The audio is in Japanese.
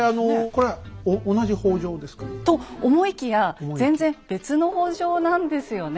これは同じ北条ですか？と思いきや全然別の北条なんですよね。